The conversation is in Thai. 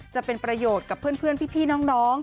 จะเป็นประโยชน์กับเพื่อนพี่น้อง